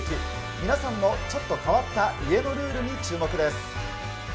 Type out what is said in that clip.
皆さんのちょっと変わった家のルールに注目です。